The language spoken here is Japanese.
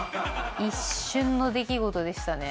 一瞬の出来事でしたね。